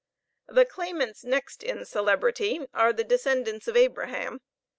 The claimants next in celebrity are the descendants of Abraham.